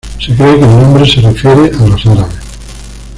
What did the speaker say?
Se cree que el nombre se refiere a los árabes.